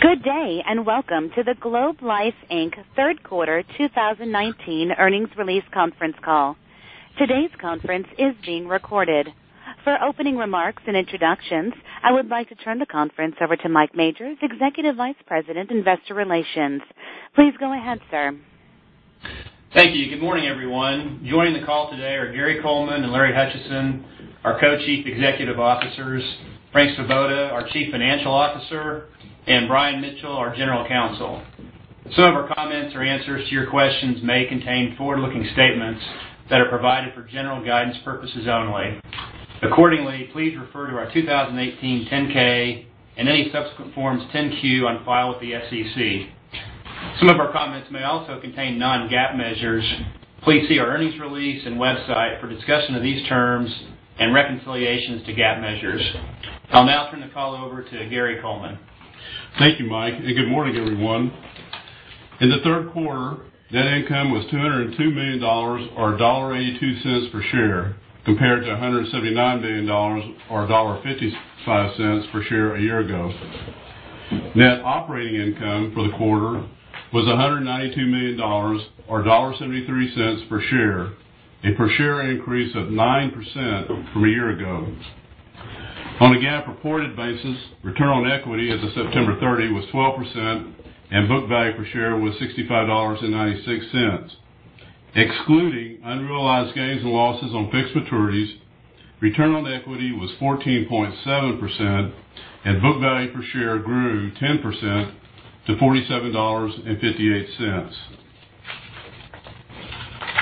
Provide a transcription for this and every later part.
Good day. Welcome to the Globe Life Inc. Third Quarter 2019 Earnings Release Conference Call. Today's conference is being recorded. For opening remarks and introductions, I would like to turn the conference over to Mike Majors, Executive Vice President, Investor Relations. Please go ahead, sir. Thank you. Good morning, everyone. Joining the call today are Gary Coleman and Larry Hutchison, our Co-Chief Executive Officers, Frank Svoboda, our Chief Financial Officer, and Brian Mitchell, our General Counsel. Some of our comments or answers to your questions may contain forward-looking statements that are provided for general guidance purposes only. Please refer to our 2018 10-K and any subsequent Forms 10-Q on file with the SEC. Some of our comments may also contain non-GAAP measures. Please see our earnings release and website for discussion of these terms and reconciliations to GAAP measures. I'll now turn the call over to Gary Coleman. Thank you, Mike, and good morning, everyone. In the third quarter, net income was $202 million, or $1.82 per share, compared to $179 million, or $1.55 per share a year ago. Net operating income for the quarter was $192 million, or $1.73 per share, a per share increase of 9% from a year ago. On a GAAP-reported basis, return on equity as of September 30 was 12%, and book value per share was $65.96. Excluding unrealized gains and losses on fixed maturities, return on equity was 14.7%, and book value per share grew 10% to $47.58.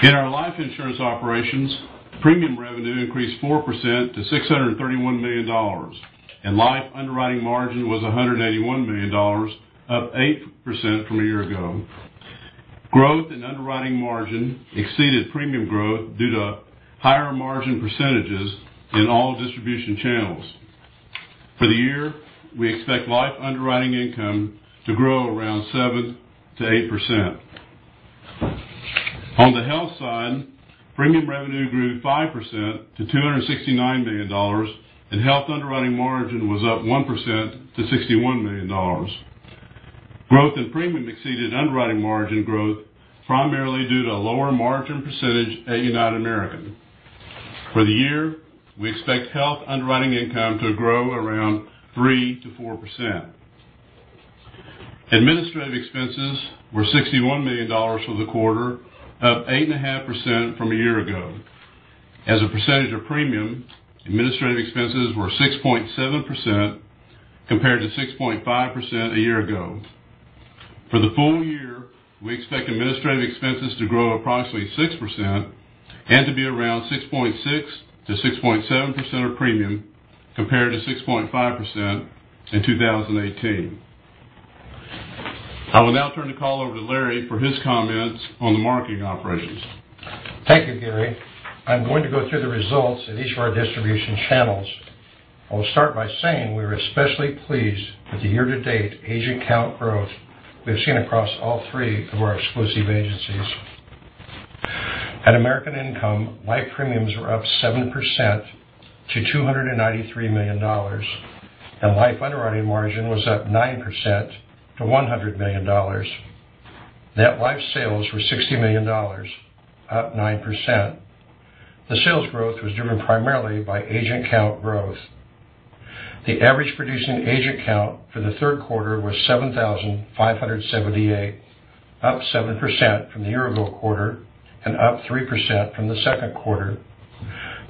In our life insurance operations, premium revenue increased 4% to $631 million, and life underwriting margin was $181 million, up 8% from a year ago. Growth in underwriting margin exceeded premium growth due to higher margin percentages in all distribution channels. For the year, we expect life underwriting income to grow around 7%-8%. On the health side, premium revenue grew 5% to $269 million, and health underwriting margin was up 1% to $61 million. Growth in premium exceeded underwriting margin growth primarily due to a lower margin percentage at United American. For the year, we expect health underwriting income to grow around 3%-4%. Administrative expenses were $61 million for the quarter, up 8.5% from a year ago. As a percentage of premium, administrative expenses were 6.7%, compared to 6.5% a year ago. For the full year, we expect administrative expenses to grow approximately 6% and to be around 6.6%-6.7% of premium, compared to 6.5% in 2018. I will now turn the call over to Larry for his comments on the marketing operations. Thank you, Gary. I'm going to go through the results in each of our distribution channels. I will start by saying we are especially pleased with the year-to-date agent count growth we've seen across all three of our exclusive agencies. At American Income, life premiums were up 7% to $293 million, and life underwriting margin was up 9% to $100 million. Net life sales were $60 million, up 9%. The sales growth was driven primarily by agent count growth. The average producing agent count for the third quarter was 7,578, up 7% from the year-ago quarter and up 3% from the second quarter.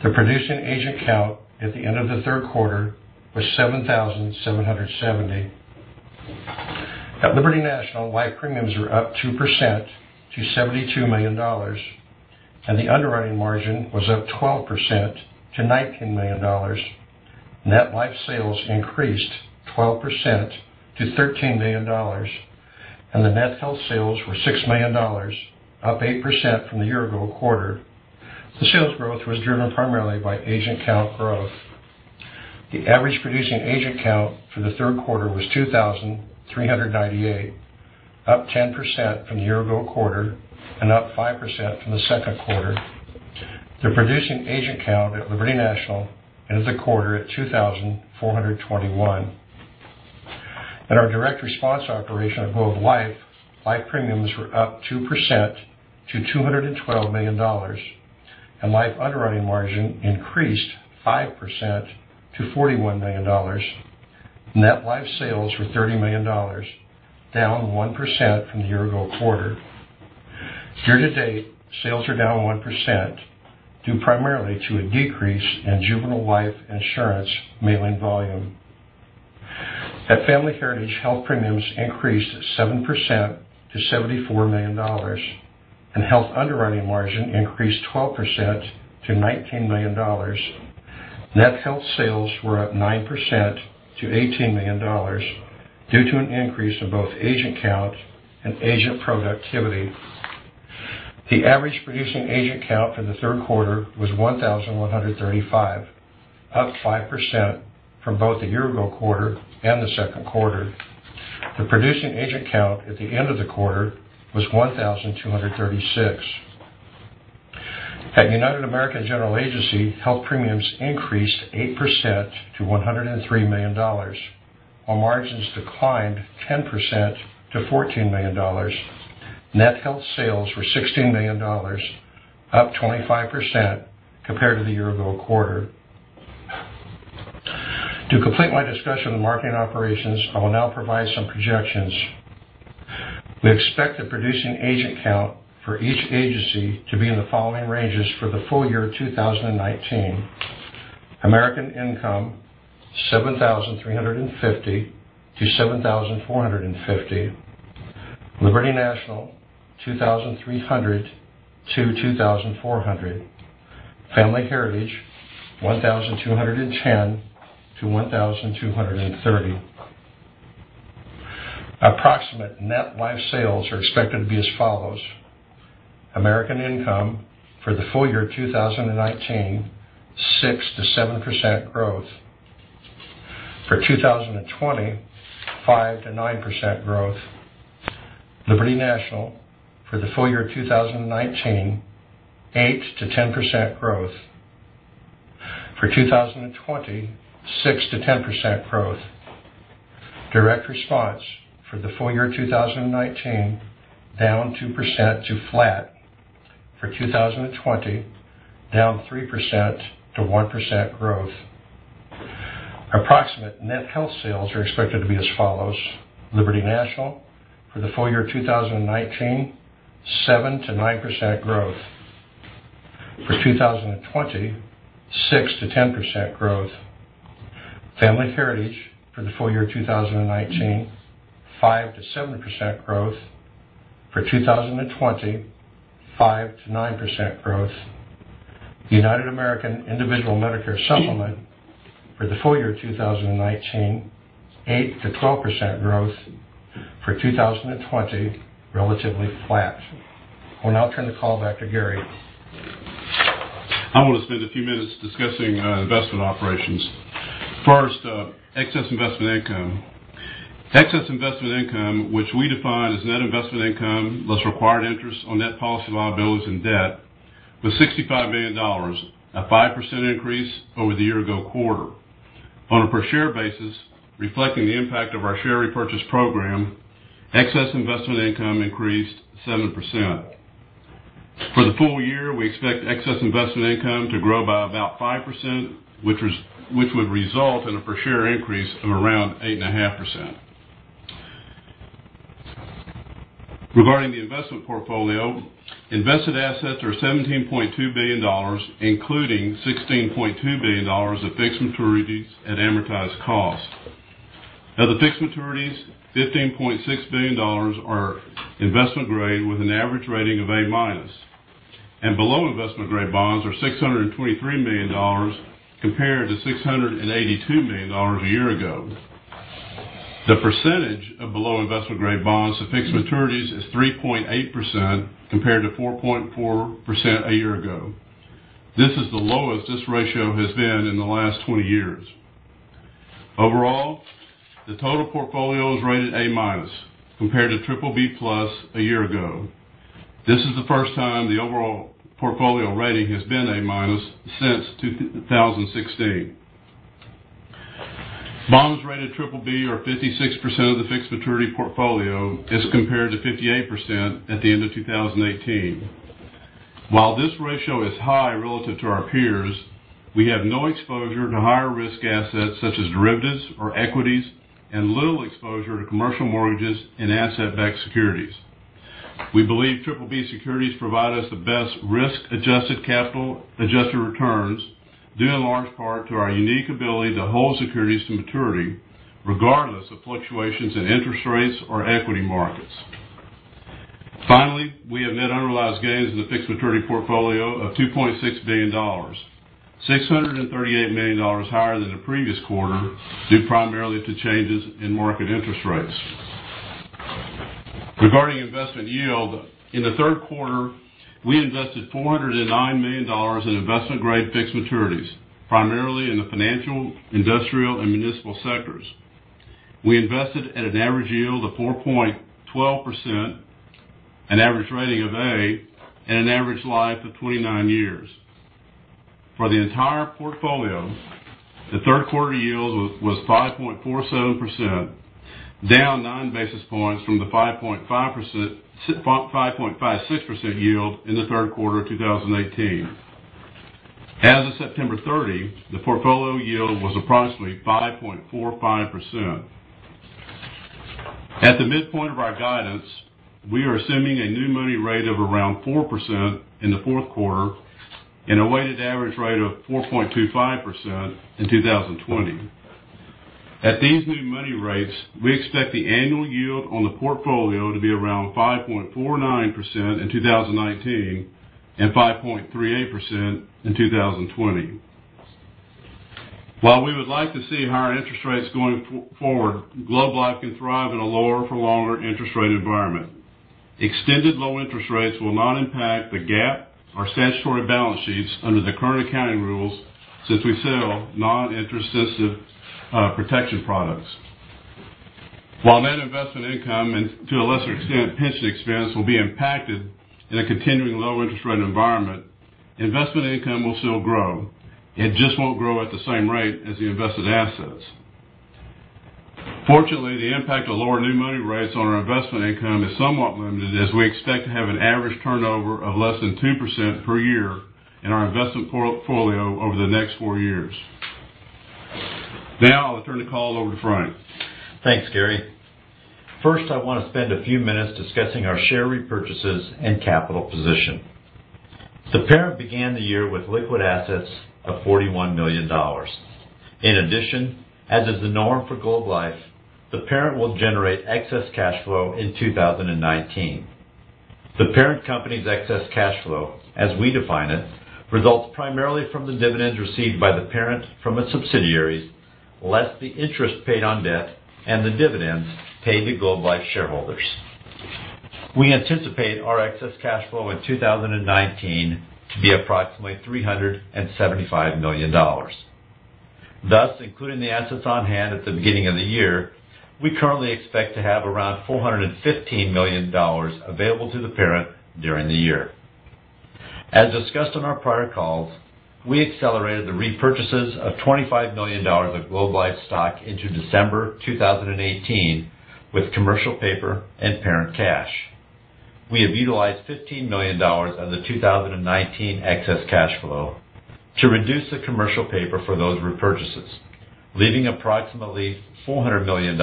The producing agent count at the end of the third quarter was 7,770. At Liberty National, life premiums were up 2% to $72 million, and the underwriting margin was up 12% to $19 million. Net life sales increased 12% to $13 million, and the net health sales were $6 million, up 8% from the year-ago quarter. The sales growth was driven primarily by agent count growth. The average producing agent count for the third quarter was 2,398, up 10% from the year-ago quarter and up 5% from the second quarter. The producing agent count at Liberty National ended the quarter at 2,421. At our Direct Response operation at Globe Life, life premiums were up 2% to $212 million, and life underwriting margin increased 5% to $41 million. Net life sales were $30 million, down 1% from the year-ago quarter. Year-to-date, sales are down 1%, due primarily to a decrease in juvenile life insurance mailing volume. At Family Heritage, health premiums increased 7% to $74 million, and health underwriting margin increased 12% to $19 million. Net health sales were up 9% to $18 million due to an increase in both agent count and agent productivity. The average producing agent count for the third quarter was 1,135, up 5% from both the year-ago quarter and the second quarter. The producing agent count at the end of the quarter was 1,236. At United American General Agency, health premiums increased 8% to $103 million, while margins declined 10% to $14 million. Net health sales were $16 million, up 25% compared to the year-ago quarter. To complete my discussion of the marketing operations, I will now provide some projections. We expect the producing agent count for each agency to be in the following ranges for the full year 2019. American Income, 7,350-7,450. Liberty National, 2,300-2,400. Family Heritage, 1,210-1,230. Approximate net life sales are expected to be as follows. American Income, for the full year 2019, 6%-7% growth. For 2020, 5%-9% growth. Liberty National, for the full year 2019, 8%-10% growth. For 2020, 6%-10% growth. Direct Response, for the full year 2019, down 2% to flat. For 2020, down 3% to 1% growth. Approximate net health sales are expected to be as follows. Liberty National, for the full year 2019, 7%-9% growth. For 2020, 6%-10% growth. Family Heritage, for the full year 2019, 5%-7% growth. For 2020, 5%-9% growth. United American Individual Medicare Supplement, for the full year 2019, 8%-12% growth. For 2020, relatively flat. I will now turn the call back to Gary. I want to spend a few minutes discussing investment operations. First, excess investment income. Excess investment income, which we define as net investment income, less required interest on net policy liabilities and debt, was $65 million, a 5% increase over the year-ago quarter. On a per share basis, reflecting the impact of our share repurchase program, excess investment income increased 7%. For the full year, we expect excess investment income to grow by about 5%, which would result in a per share increase of around 8.5%. Regarding the investment portfolio, invested assets are $17.2 billion, including $16.2 billion of fixed maturities at amortized cost. Of the fixed maturities, $15.6 billion are investment grade with an average rating of A-, and below investment-grade bonds are $623 million compared to $682 million a year ago. The percentage of below investment-grade bonds to fixed maturities is 3.8% compared to 4.4% a year ago. This is the lowest this ratio has been in the last 20 years. Overall, the total portfolio is rated A- compared to BBB+ a year ago. This is the first time the overall portfolio rating has been A- since 2016. Bonds rated BBB are 56% of the fixed maturity portfolio as compared to 58% at the end of 2018. While this ratio is high relative to our peers, we have no exposure to higher-risk assets such as derivatives or equities and little exposure to commercial mortgages and asset-backed securities. We believe BBB securities provide us the best risk-adjusted capital adjusted returns, due in large part to our unique ability to hold securities to maturity regardless of fluctuations in interest rates or equity markets. Finally, we have net unrealized gains in the fixed maturity portfolio of $2.6 billion, $638 million higher than the previous quarter, due primarily to changes in market interest rates. Regarding investment yield, in the third quarter, we invested $409 million in investment-grade fixed maturities, primarily in the financial, industrial, and municipal sectors. We invested at an average yield of 4.12%, an average rating of A, and an average life of 29 years. For the entire portfolio, the third quarter yield was 5.47%, down nine basis points from the 5.56% yield in the third quarter of 2018. As of September 30, the portfolio yield was approximately 5.45%. At the midpoint of our guidance, we are assuming a new money rate of around 4% in the fourth quarter and a weighted average rate of 4.25% in 2020. At these new money rates, we expect the annual yield on the portfolio to be around 5.49% in 2019 and 5.38% in 2020. While we would like to see higher interest rates going forward, Globe Life can thrive in a lower-for-longer interest rate environment. Extended low interest rates will not impact the GAAP or statutory balance sheets under the current accounting rules since we sell non-interest sensitive protection products. While net investment income and to a lesser extent, pension expense will be impacted in a continuing low interest rate environment, investment income will still grow. It just won't grow at the same rate as the invested assets. Fortunately, the impact of lower new money rates on our investment income is somewhat limited, as we expect to have an average turnover of less than 2% per year in our investment portfolio over the next four years. Now I'll turn the call over to Frank. Thanks, Gary. I want to spend a few minutes discussing our share repurchases and capital position. The parent began the year with liquid assets of $41 million. As is the norm for Globe Life, the parent will generate excess cash flow in 2019. The parent company's excess cash flow, as we define it, results primarily from the dividends received by the parent from its subsidiaries, less the interest paid on debt and the dividends paid to Globe Life shareholders. We anticipate our excess cash flow in 2019 to be approximately $375 million. Including the assets on hand at the beginning of the year, we currently expect to have around $415 million available to the parent during the year. As discussed on our prior calls, we accelerated the repurchases of $25 million of Globe Life stock into December 2018 with commercial paper and parent cash. We have utilized $15 million of the 2019 excess cash flow to reduce the commercial paper for those repurchases, leaving approximately $400 million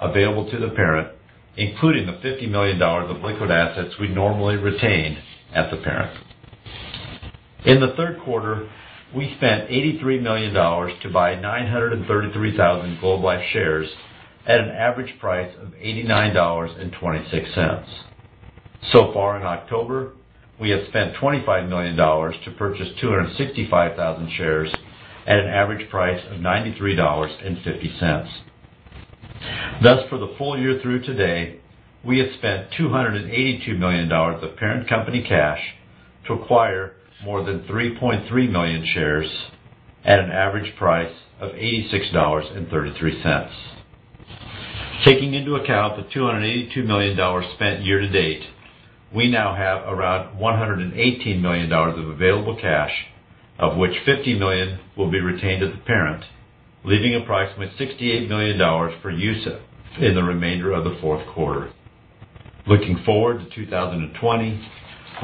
available to the parent, including the $50 million of liquid assets we normally retain at the parent. In the third quarter, we spent $83 million to buy 933,000 Globe Life shares at an average price of $89.26. In October, we have spent $25 million to purchase 265,000 shares at an average price of $93.50. For the full year through today, we have spent $282 million of parent company cash to acquire more than 3.3 million shares at an average price of $86.33. Taking into account the $282 million spent year to date, we now have around $118 million of available cash, of which $50 million will be retained as a parent, leaving approximately $68 million for use in the remainder of the fourth quarter. Looking forward to 2020,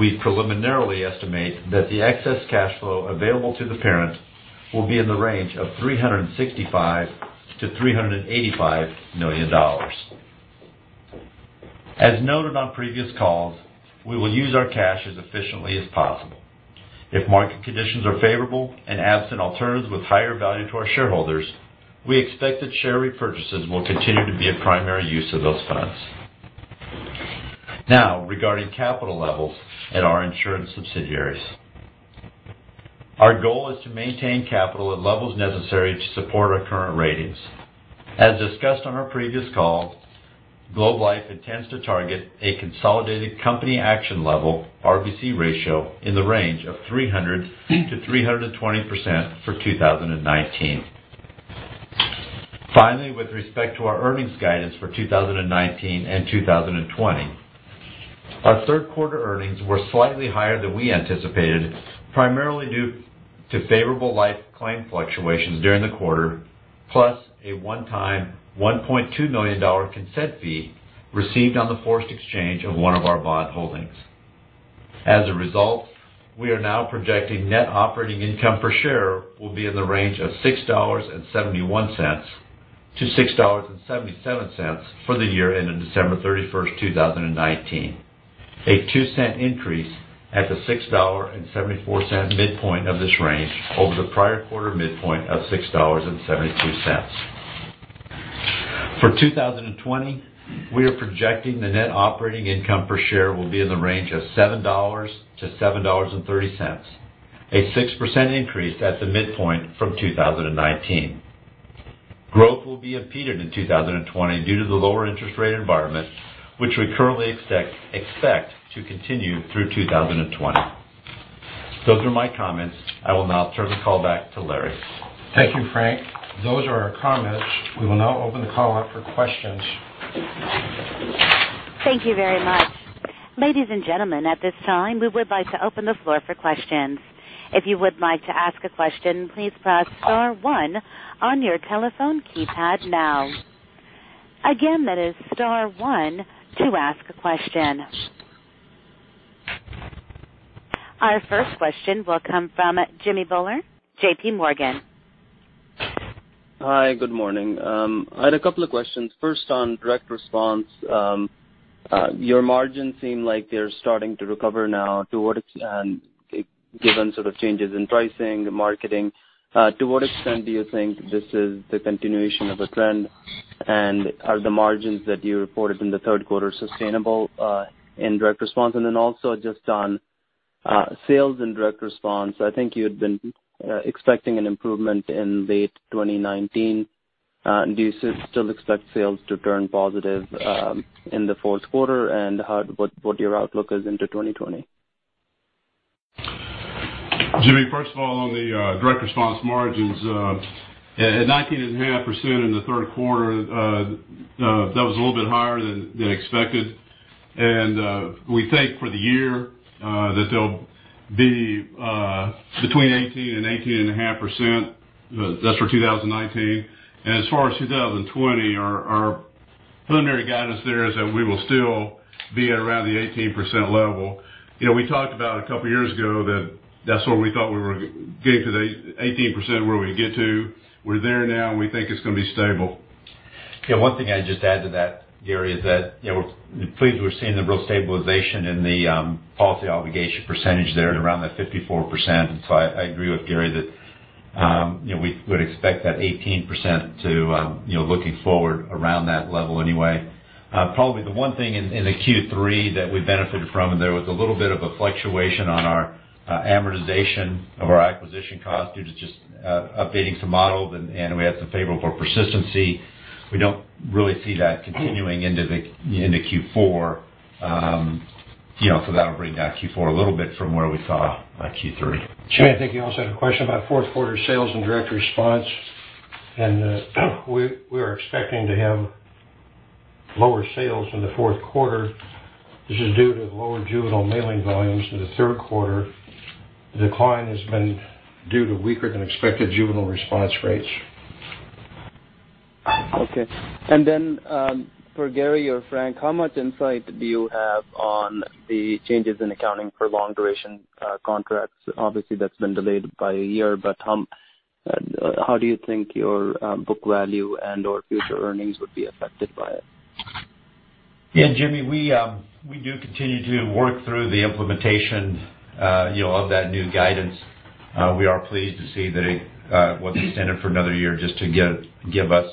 we preliminarily estimate that the excess cash flow available to the parent will be in the range of $365 million-$385 million. As noted on previous calls, we will use our cash as efficiently as possible. If market conditions are favorable and absent alternatives with higher value to our shareholders, we expect that share repurchases will continue to be a primary use of those funds. Now regarding capital levels at our insurance subsidiaries. As discussed on our previous call, Globe Life intends to target a consolidated company action level RBC ratio in the range of 300%-320% for 2019. With respect to our earnings guidance for 2019 and 2020, our third quarter earnings were slightly higher than we anticipated, primarily due to favorable life claim fluctuations during the quarter, plus a one-time $1.2 million consent fee received on the forced exchange of one of our bond holdings. We are now projecting net operating income per share will be in the range of $6.71-$6.77 for the year ending December 31st, 2019, a $0.02 increase at the $6.74 midpoint of this range over the prior quarter midpoint of $6.72. For 2020, we are projecting the net operating income per share will be in the range of $7-$7.30, a 6% increase at the midpoint from 2019. Growth will be impeded in 2020 due to the lower interest rate environment, which we currently expect to continue through 2020. Those are my comments. I will now turn the call back to Larry. Thank you, Frank. Those are our comments. We will now open the call up for questions. Thank you very much. Ladies and gentlemen, at this time, we would like to open the floor for questions. If you would like to ask a question, please press star one on your telephone keypad now. Again, that is star one to ask a question. Our first question will come from Jimmy Bhullar, JPMorgan. Hi, good morning. I had a couple of questions. First, on Direct Response, your margins seem like they're starting to recover now. Given sort of changes in pricing, marketing, to what extent do you think this is the continuation of a trend? Are the margins that you reported in the third quarter sustainable in Direct Response? Also just on sales in Direct Response, I think you had been expecting an improvement in late 2019. Do you still expect sales to turn positive in the fourth quarter? What your outlook is into 2020? Jimmy, first of all, on the Direct Response margins, at 19.5% in the third quarter, that was a little bit higher than expected. We think for the year that they'll be between 18%-18.5%. That's for 2019. As far as 2020, our preliminary guidance there is that we will still be at around the 18% level. We talked about a couple years ago that that's where we thought we were getting to the 18%, where we'd get to. We're there now, and we think it's going to be stable. Okay. One thing I'd just add to that, Gary, is that, we're pleased we're seeing the real stabilization in the policy obligation percentage there at around that 54%. I agree with Gary that we would expect that 18% to, looking forward, around that level anyway. Probably the one thing in the Q3 that we benefited from, and there was a little bit of a fluctuation on our amortization of our acquisition cost due to just updating some models, and we had some favorable persistency. We don't really see that continuing into Q4. That'll bring down Q4 a little bit from where we saw Q3. Jimmy, I think you also had a question about fourth quarter sales and Direct Response. We are expecting to have lower sales in the fourth quarter. This is due to lower juvenile mailing volumes in the third quarter. The decline has been due to weaker than expected juvenile response rates. Okay. For Gary or Frank, how much insight do you have on the changes in accounting for long-duration contracts? Obviously, that's been delayed by one year, how do you think your book value and/or future earnings would be affected by it? Yeah, Jimmy, we do continue to work through the implementation of that new guidance. We are pleased to see that it was extended for another year just to give us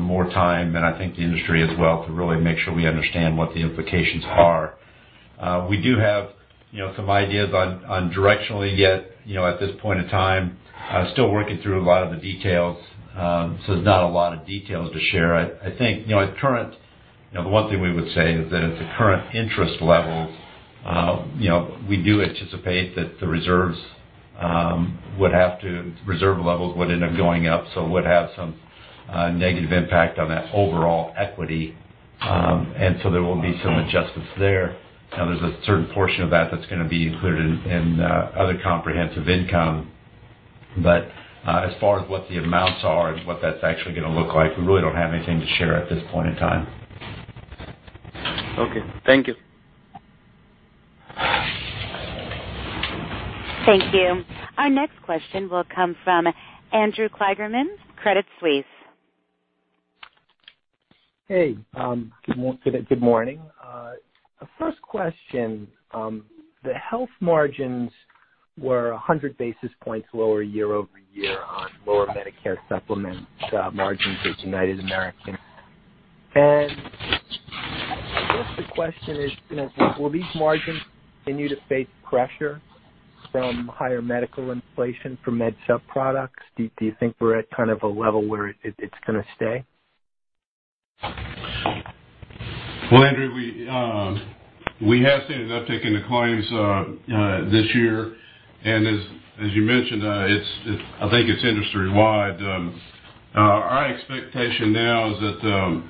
more time, and I think the industry as well, to really make sure we understand what the implications are. We do have some ideas on directionally, yet at this point in time, still working through a lot of the details. So there's not a lot of details to share. I think the one thing we would say is that at the current interest levels, we do anticipate that the reserve levels would end up going up. So would have some negative impact on that overall equity. And so there will be some adjustments there. There's a certain portion of that that's going to be included in other comprehensive income. As far as what the amounts are and what that's actually going to look like, we really don't have anything to share at this point in time. Okay. Thank you. Thank you. Our next question will come from Andrew Kligerman, Credit Suisse. Hey. Good morning. First question. The health margins were 100 basis points lower year-over-year on lower Medicare Supplement margins at United American. I guess the question is, will these margins continue to face pressure from higher medical inflation from med supp products? Do you think we're at kind of a level where it's going to stay? Well, Andrew, we have seen an uptick in the claims this year, and as you mentioned, I think it's industry-wide. Our expectation now is that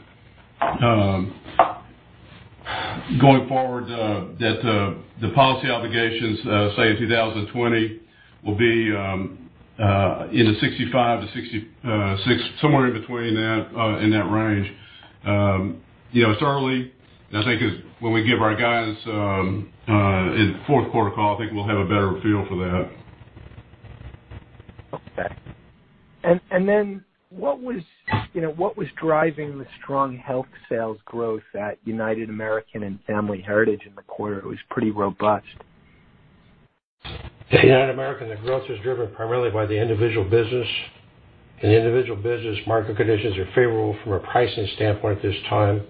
going forward that the policy obligations, say in 2020, will be in the 65%-66%, somewhere in between in that range. It's early. I think when we give our guidance in fourth quarter call, I think we'll have a better feel for that. Okay. What was driving the strong health sales growth at United American and Family Heritage in the quarter? It was pretty robust. At United American, the growth is driven primarily by the individual business. In the individual business, market conditions are favorable from a pricing standpoint at this time.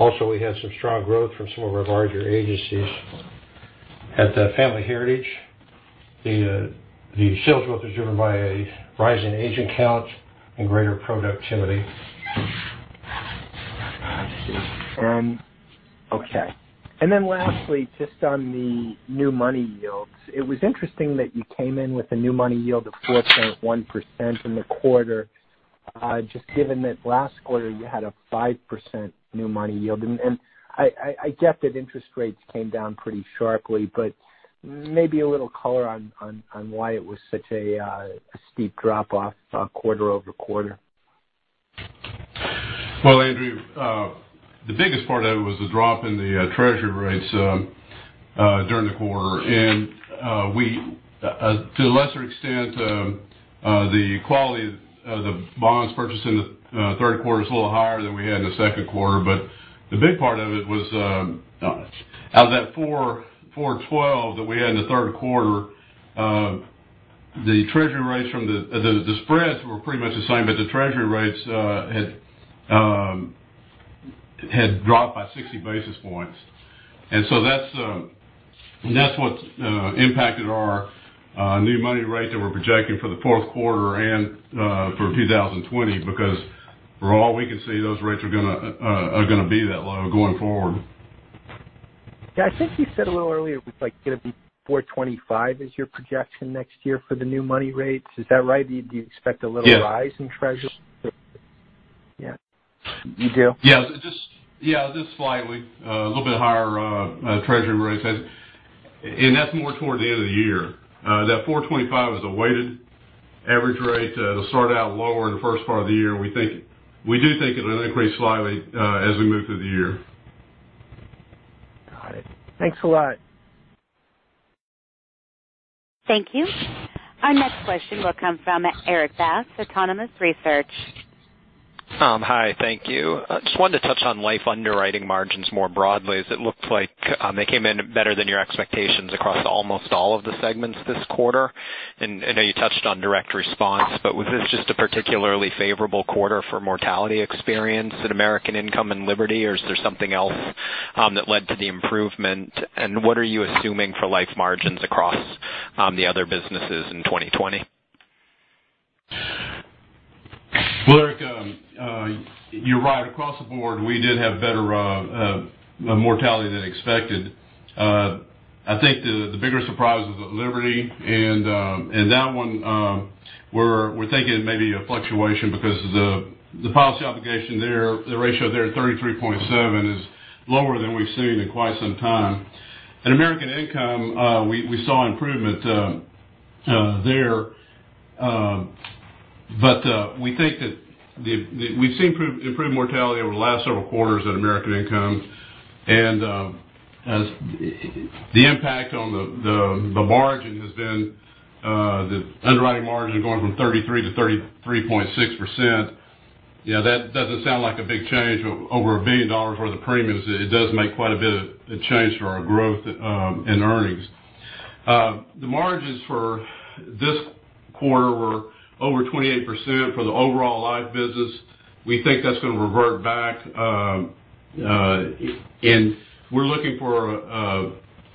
We had some strong growth from some of our larger agencies. At Family Heritage, the sales growth is driven by a rising agent count and greater productivity. Okay. Lastly, just on the new money yields, it was interesting that you came in with a new money yield of 4.1% in the quarter, just given that last quarter you had a 5% new money yield. I get that interest rates came down pretty sharply, but maybe a little color on why it was such a steep drop off quarter-over-quarter. Well, Andrew, the biggest part of it was the drop in the treasury rates during the quarter. To a lesser extent, the quality of the bonds purchased in the third quarter is a little higher than we had in the second quarter. The big part of it was out of that 412 that we had in the third quarter, the spreads were pretty much the same, but the treasury rates had dropped by 60 basis points. That's what's impacted our new money rate that we're projecting for the fourth quarter and for 2020, because for all we can see, those rates are going to be that low going forward. Yeah, I think you said a little earlier it's going to be 4.25% is your projection next year for the new money rates. Is that right? Do you expect a little rise- Yes in treasury? Yeah. You do? Yeah, just slightly. A little bit higher treasury rates, that's more toward the end of the year. That 4.25 is a weighted average rate. It'll start out lower in the first part of the year. We do think it'll increase slightly as we move through the year. Got it. Thanks a lot. Thank you. Our next question will come from Erik Bass, Autonomous Research. Hi, thank you. Just wanted to touch on life underwriting margins more broadly, as it looked like they came in better than your expectations across almost all of the segments this quarter. I know you touched on Direct Response, but was this just a particularly favorable quarter for mortality experience at American Income and Liberty, or is there something else that led to the improvement? What are you assuming for life margins across the other businesses in 2020? Erik, you're right. Across the board, we did have better mortality than expected. I think the bigger surprise was at Liberty, and that one, we're thinking it may be a fluctuation because the policy obligation there, the ratio there at 33.7 is lower than we've seen in quite some time. At American Income, we saw improvement there. We think that we've seen improved mortality over the last several quarters at American Income, and as the impact on the margin has been the underwriting margin going from 33% to 33.6%. That doesn't sound like a big change, but over $1 billion worth of premiums, it does make quite a bit of a change for our growth in earnings. The margins for this quarter were over 28% for the overall life business. We think that's going to revert back, and we're looking for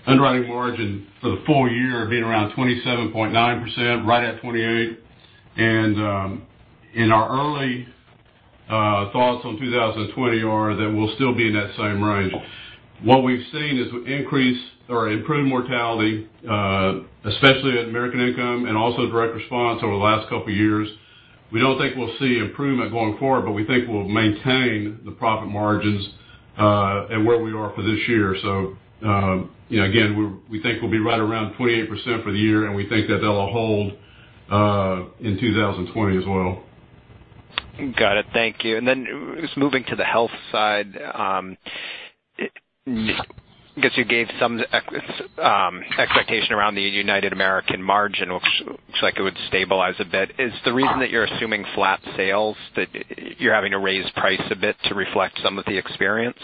underwriting margin for the full year being around 27.9%, right at 28. Our early thoughts on 2020 are that we'll still be in that same range. What we've seen is improved mortality, especially at American Income and also Direct Response over the last couple of years. We don't think we'll see improvement going forward, but we think we'll maintain the profit margins at where we are for this year. Again, we think we'll be right around 28% for the year, and we think that that'll hold in 2020 as well. Got it. Thank you. Just moving to the health side, I guess you gave some expectation around the United American margin, which looks like it would stabilize a bit. Is the reason that you're assuming flat sales that you're having to raise price a bit to reflect some of the experience?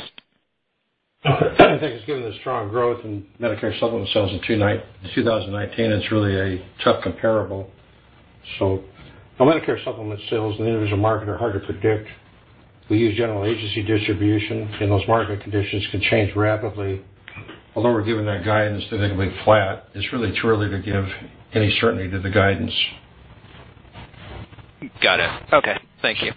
I think it's given the strong growth in Medicare Supplement sales in 2019, it's really a tough comparable. Medicare Supplement sales in the individual market are hard to predict. We use general agency distribution, those market conditions can change rapidly. Although we're giving our guidance that it'll be flat, it's really too early to give any certainty to the guidance. Got it. Okay. Thank you.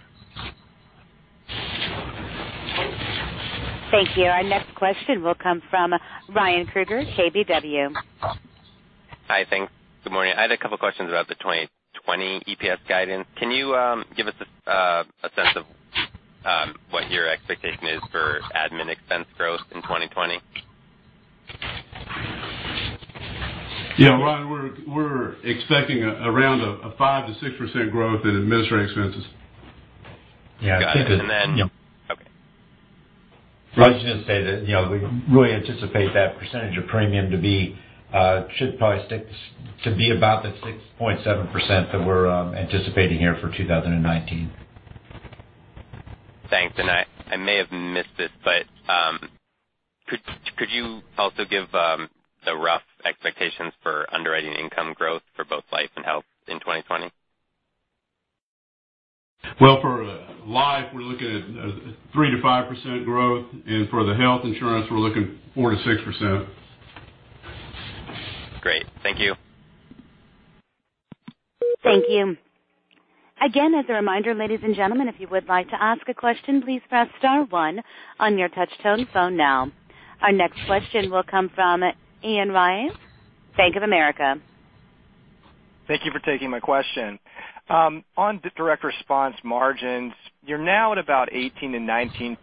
Thank you. Our next question will come from Ryan Krueger, KBW. Hi, thanks. Good morning. I had a couple questions about the 2020 EPS guidance. Can you give us a sense of what your expectation is for admin expense growth in 2020? Yeah, Ryan, we're expecting around a 5%-6% growth in administrative expenses. Yeah. Got it. Then Okay. I was just going to say that we really anticipate that percentage of premium to be about the 6.7% that we're anticipating here for 2019. Thanks. I may have missed it, but could you also give the rough expectations for underwriting income growth for both life and health in 2020? Well, for life, we're looking at 3%-5% growth, and for the health insurance, we're looking 4%-6%. Great. Thank you. Thank you. Again, as a reminder, ladies and gentlemen, if you would like to ask a question, please press star one on your touch-tone phone now. Our next question will come from Ian Ryave, Bank of America. Thank you for taking my question. On Direct Response margins, you're now at about 18%-19%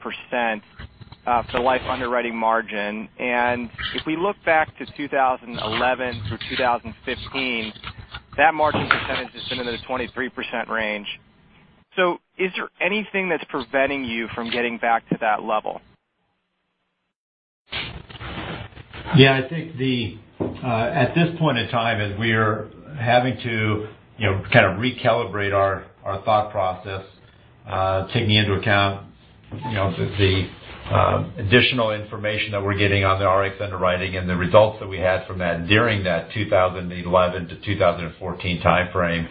for life underwriting margin. If we look back to 2011 through 2015, that margin percentage has been in the 23% range. Is there anything that's preventing you from getting back to that level? I think at this point in time, as we're having to kind of recalibrate our thought process, taking into account the additional information that we're getting on the Rx underwriting and the results that we had from that during that 2011-2014 timeframe.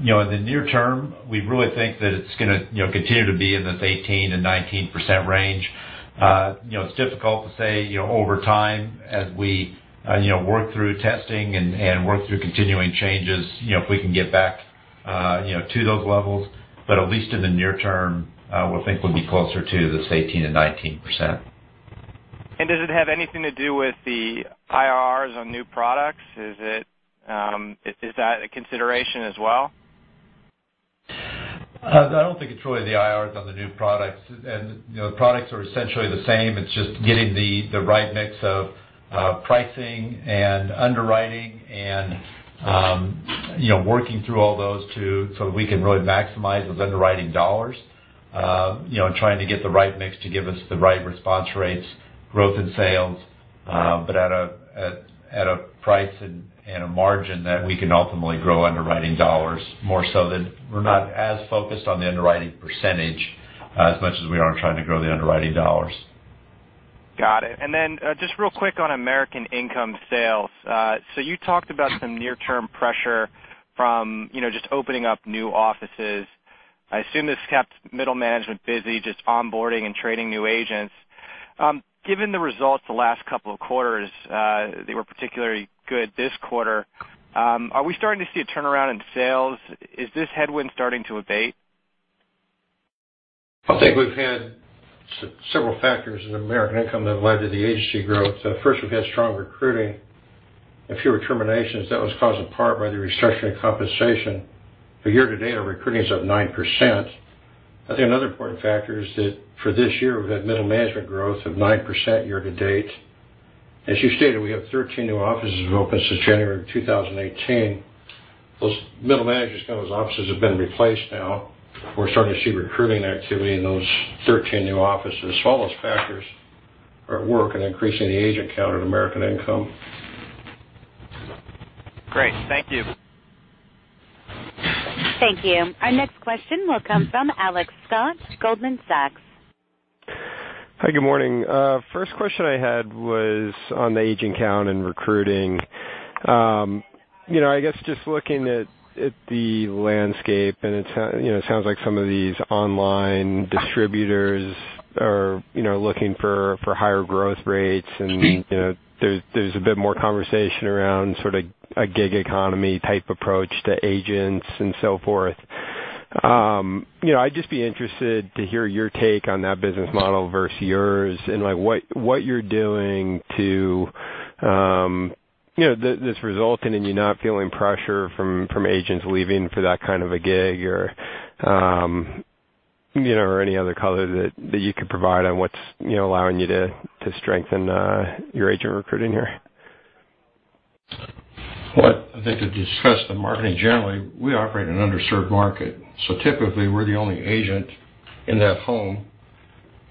In the near term, we really think that it's going to continue to be in this 18%-19% range. It's difficult to say over time as we work through testing and work through continuing changes if we can get back. To those levels, at least in the near term, we think we'll be closer to this 18%-19%. Does it have anything to do with the IRRs on new products? Is that a consideration as well? I don't think it's really the IRRs on the new products. The products are essentially the same, it's just getting the right mix of pricing and underwriting and working through all those so we can really maximize those underwriting dollars, and trying to get the right mix to give us the right response rates, growth in sales, but at a price and a margin that we can ultimately grow underwriting dollars more so that we're not as focused on the underwriting percentage as much as we are trying to grow the underwriting dollars. Got it. Then just real quick on American Income sales. You talked about some near-term pressure from just opening up new offices. I assume this kept middle management busy, just onboarding and training new agents. Given the results the last couple of quarters, they were particularly good this quarter. Are we starting to see a turnaround in sales? Is this headwind starting to abate? I think we've had several factors in American Income that led to the agency growth. First, we've had strong recruiting and fewer terminations that was caused in part by the restructuring of compensation. Year-to-date, our recruiting's up 9%. I think another important factor is that for this year, we've had middle management growth of 9% year-to-date. As you stated, we have 13 new offices have opened since January of 2018. Those middle managers come as offices have been replaced now. We're starting to see recruiting activity in those 13 new offices. All those factors are at work in increasing the agent count at American Income. Great. Thank you. Thank you. Our next question will come from Alex Scott, Goldman Sachs. Hi, good morning. First question I had was on the agent count and recruiting. I guess just looking at the landscape, it sounds like some of these online distributors are looking for higher growth rates. there's a bit more conversation around sort of a gig economy type approach to agents and so forth. I'd just be interested to hear your take on that business model versus yours and what you're doing this resulting in you not feeling pressure from agents leaving for that kind of a gig or any other color that you could provide on what's allowing you to strengthen your agent recruiting here? Well, I think if you stress the marketing generally, we operate in an underserved market. Typically, we're the only agent in that home.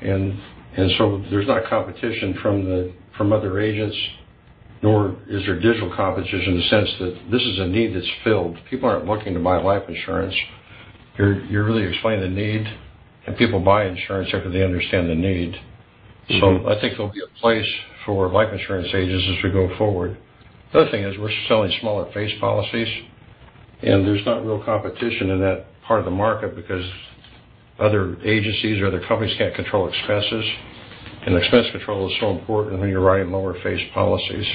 There's not competition from other agents, nor is there digital competition in the sense that this is a need that's filled. People aren't looking to buy life insurance. You're really explaining the need, and people buy insurance after they understand the need. I think there'll be a place for life insurance agents as we go forward. The other thing is we're selling smaller face policies, and there's not real competition in that part of the market because other agencies or other companies can't control expenses, and expense control is so important when you're writing lower face policies.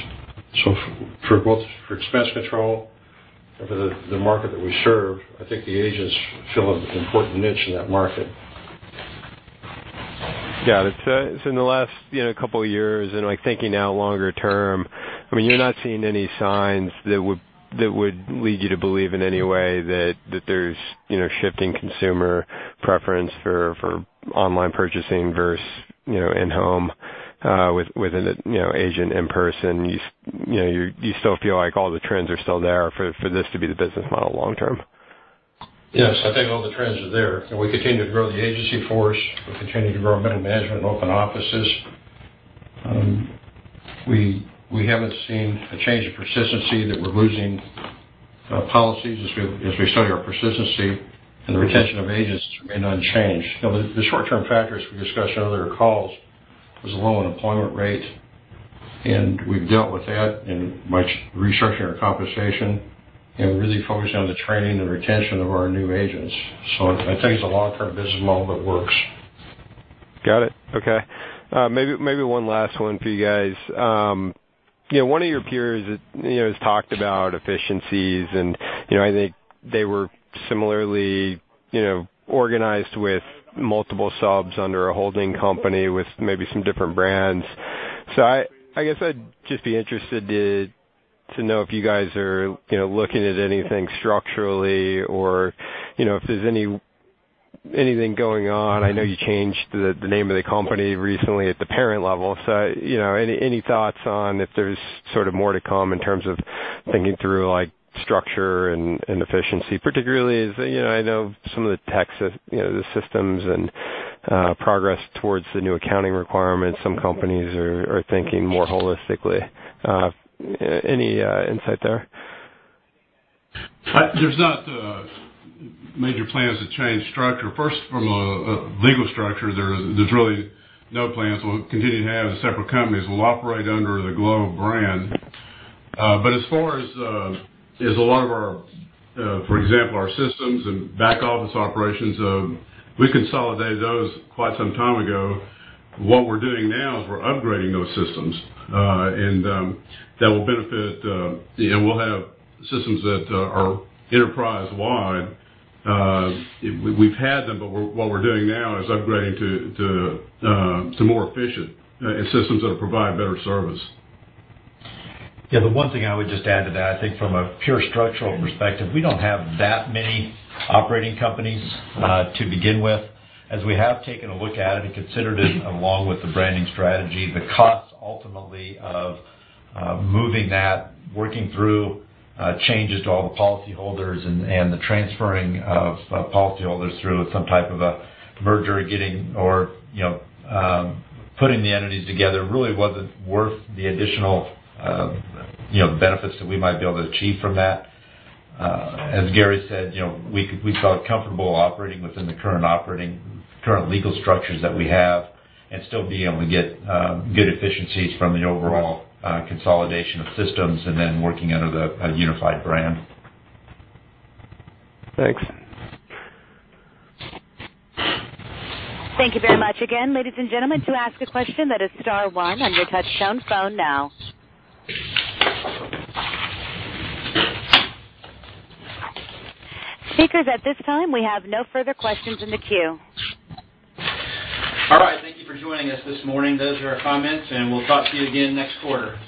For both for expense control and for the market that we serve, I think the agents fill an important niche in that market. Got it. In the last couple of years and thinking now longer term, you're not seeing any signs that would lead you to believe in any way that there's shifting consumer preference for online purchasing versus in-home with an agent in person. You still feel like all the trends are still there for this to be the business model long term? Yes, I think all the trends are there, and we continue to grow the agency force. We continue to grow middle management and open offices. We haven't seen a change of persistency that we're losing policies as we study our persistency and the retention of agents has remained unchanged. The short-term factors we've discussed on other calls was a low unemployment rate, and we've dealt with that in much restructuring our compensation and really focusing on the training and retention of our new agents. I think it's a long-term business model that works. Got it. Okay. Maybe one last one for you guys. One of your peers has talked about efficiencies, and I think they were similarly organized with multiple subs under a holding company with maybe some different brands. I guess I'd just be interested to know if you guys are looking at anything structurally or if there's anything going on. I know you changed the name of the company recently at the parent level. Any thoughts on if there's sort of more to come in terms of thinking through structure and efficiency, particularly as I know some of the tech, the systems, and progress towards the new accounting requirements, some companies are thinking more holistically. Any insight there? There's not major plans to change structure. First, from a legal structure, there's really no plans. We'll continue to have the separate companies. We'll operate under the Globe brand. As far as a lot of our, for example, our systems and back office operations, we consolidated those quite some time ago. What we're doing now is we're upgrading those systems, and we'll have systems that are enterprise-wide. We've had them, but what we're doing now is upgrading to more efficient and systems that'll provide better service. The one thing I would just add to that, I think from a pure structural perspective, we don't have that many operating companies to begin with as we have taken a look at it and considered it along with the branding strategy. The cost ultimately of moving that, working through changes to all the policyholders and the transferring of policyholders through some type of a merger, putting the entities together really wasn't worth the additional benefits that we might be able to achieve from that. As Gary said, we felt comfortable operating within the current legal structures that we have and still be able to get good efficiencies from the overall consolidation of systems and then working under the unified brand. Thanks. Thank you very much again. Ladies and gentlemen, to ask a question, that is star one on your touchtone phone now. Speakers, at this time, we have no further questions in the queue. All right. Thank you for joining us this morning. Those are our comments. We'll talk to you again next quarter.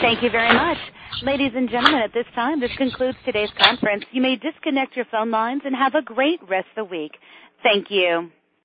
Thank you very much. Ladies and gentlemen, at this time, this concludes today's conference. You may disconnect your phone lines and have a great rest of the week. Thank you.